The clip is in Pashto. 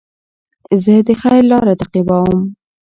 زه د خیر لاره تعقیبوم.